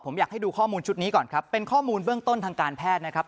ผมอยากให้ดูข้อมูลชุดนี้ก่อนครับเป็นข้อมูลเบื้องต้นทางการแพทย์นะครับ